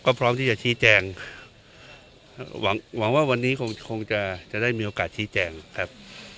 ก็พร้อมที่จะชี้แจงหวังว่าวันนี้คงจะได้มีโอกาสชี้แจงครับ